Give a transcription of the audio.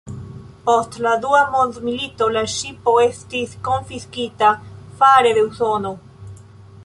Post la Dua Mondmilito la ŝipo estis konfiskita fare de Usono.